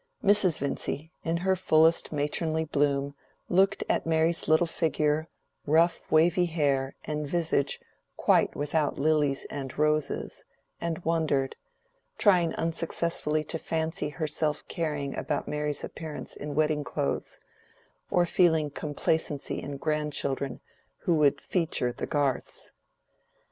Mrs. Vincy, in her fullest matronly bloom, looked at Mary's little figure, rough wavy hair, and visage quite without lilies and roses, and wondered; trying unsuccessfully to fancy herself caring about Mary's appearance in wedding clothes, or feeling complacency in grandchildren who would "feature" the Garths.